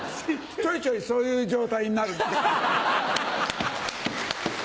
ちょいちょいそういう状態になるの。